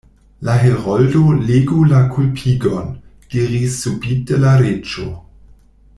"La Heroldo legu la kulpigon," diris subite la Reĝo.